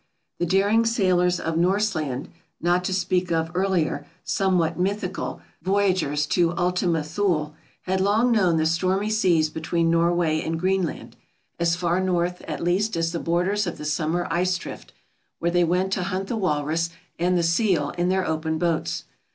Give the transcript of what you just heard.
The daring sailors of Norseland — not to speak of earlier, somewhat mythical, voyagers to Ultima Thule — had long known the stormy seas between Norway and Greenland, as far north at least as the borders of the summer ice drift, where they went to hunt the walrus and the seal in their open boats.